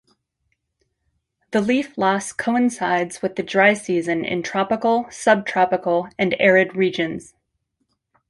The leaf loss coincides with the dry season in tropical, subtropical and arid regions.